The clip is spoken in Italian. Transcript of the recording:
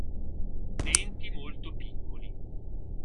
Denti molto piccoli.